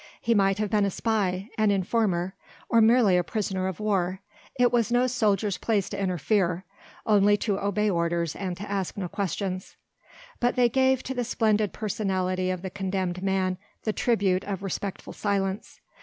He might have been a spy an informer or merely a prisoner of war. It was no soldier's place to interfere, only to obey orders and to ask no questions. But they gave to the splendid personality of the condemned man the tribute of respectful silence.